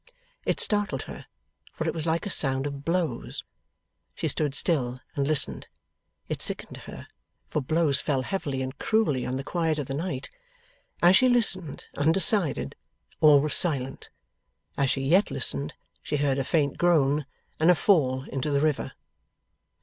It startled her, for it was like a sound of blows. She stood still, and listened. It sickened her, for blows fell heavily and cruelly on the quiet of the night. As she listened, undecided, all was silent. As she yet listened, she heard a faint groan, and a fall into the river.